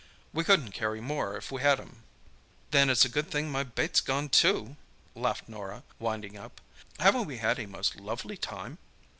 "We couldn't carry more if we had 'em." "Then it's a good thing my bait's gone, too!" laughed Norah, winding up. "Haven't we had a most lovely time!"